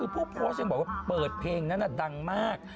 ผู้โพสต์ยังบอกว่าเปิดเพลงนั้นดังมาก